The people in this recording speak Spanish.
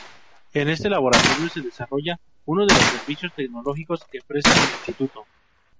En este laboratorio se desarrolla uno de los servicios tecnológicos que presta el Instituto.